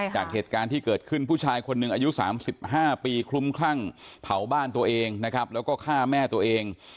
จากเหตุการณ์ที่เกิดขึ้นผู้ชายคนหนึ่งอายุ๓๕ปีคลุ้มคลั่งเผาบ้านตัวเองนะครับแล้วก็ฆ่าแม่ตัวเอง